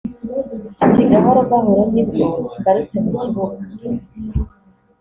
Ati’ "Gahoro gahoro nibwo ngarutse mu kibuga